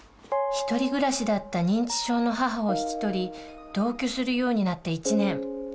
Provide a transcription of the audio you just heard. １人暮らしだった認知症の母を引き取り同居するようになって１年。